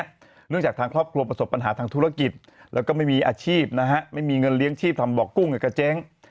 เนื่องจากทางครอบครัวประสบปัญหาทางธุรกิจแล้วก็ไม่มีอาชีพนะฮะไม่มีเงินเลี้ยงชีพทำบ่อกุ้งกับเจ๊ง